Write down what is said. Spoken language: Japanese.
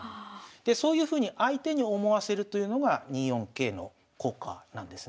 でそういうふうに相手に思わせるというのが２四桂の効果なんですね。